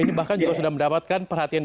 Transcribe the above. ini bahkan juga sudah mendapatkan perhatian